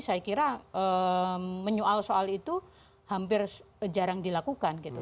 saya kira menyoal soal itu hampir jarang dilakukan gitu